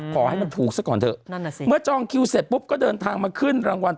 ขอให้มันถูกซะก่อนเถอะนั่นน่ะสิเมื่อจองคิวเสร็จปุ๊บก็เดินทางมาขึ้นรางวัล